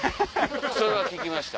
それは聞きました。